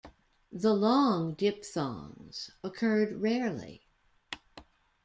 The long diphthongs occurred rarely.